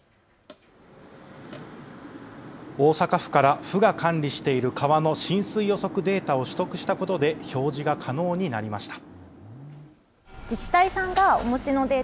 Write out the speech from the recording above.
大阪府から府が管理している川の浸水予測データを取得したことで表示が可能になりました。